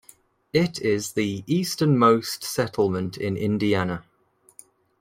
It is the easternmost settlement in Indiana.